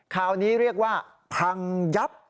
คราวนี้เรียกว่าพังยับ